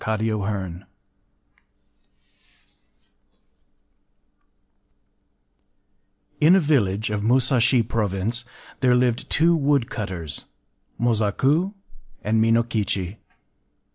YUKI ONNA In a village of Musashi Province (1), there lived two woodcutters: Mosaku and Minokichi.